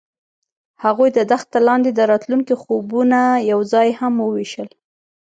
هغوی د دښته لاندې د راتلونکي خوبونه یوځای هم وویشل.